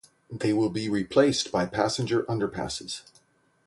They will be replaced by passenger underpasses.